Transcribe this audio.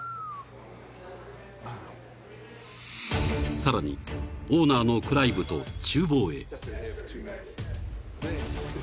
［さらにオーナーのクライブと厨房へ］